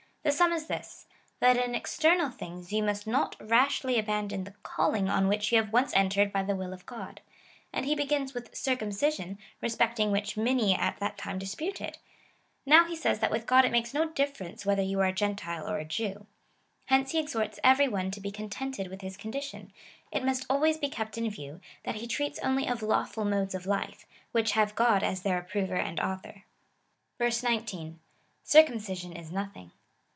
The sum is this, that in external things you must not rashly abandon the calling on which you have once entered by the will of God. And he begins with cw cumcision, respecting which many at that time disputed. CHAP. VII. 19. FIRST EPISTLE TO THE CORINTHIANS. 247 Now, lie says that with God it makes no difference whether you are a Gentile or a Jew. Hence he exhorts every one to be contented with his condition. It must always be kept in view, that he treats only of lawful modes of life, which have God as their approver and author. / 19. Circumcision is nothing.